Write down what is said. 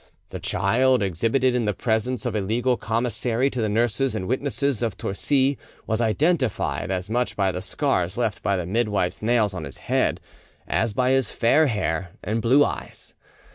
The child, exhibited in the presence of a legal commissary to the nurses and witnesses of Torcy, was identified, as much by the scars left by the midwife's nails on his head, as by his fair hair and blue eyes.